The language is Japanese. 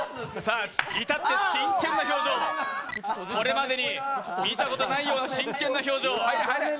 至って真剣な表情、これまでに見たことないような真剣な表情。